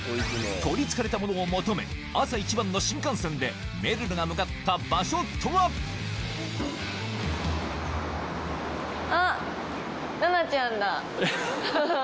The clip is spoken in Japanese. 取り憑かれたものを求め朝一番の新幹線でめるるが向かった場所とは⁉あっ！